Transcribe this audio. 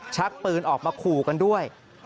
ชักปืนออกมาขู่กันด้วย